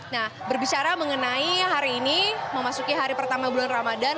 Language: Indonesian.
nah berbicara mengenai hari ini memasuki hari pertama bulan ramadan